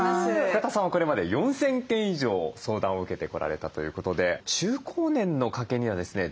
深田さんはこれまで４，０００件以上相談を受けてこられたということで中高年の家計にはですね